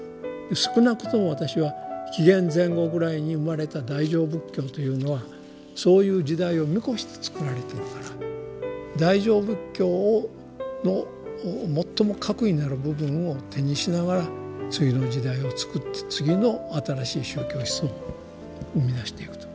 少なくとも私は紀元前後ぐらいに生まれた大乗仏教というのはそういう時代を見越してつくられているから大乗仏教の最も核になる部分を手にしながら次の時代をつくって次の新しい宗教思想を生み出していくと。